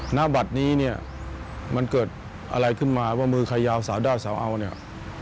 ณบัตรนี้เนี่ยมันเกิดอะไรขึ้นมาว่ามือใครยาวสาวได้สาวเอาเนี่ย